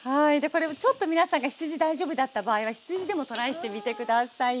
皆さんが羊大丈夫だった場合は羊でもトライしてみて下さいね。